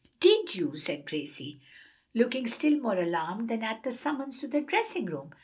"Did you?" asked Gracie, looking still more alarmed than at the summons to the dressing room.